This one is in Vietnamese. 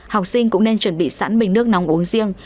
học sinh cũng nên chuẩn bị sẵn bình nước nóng uống riêng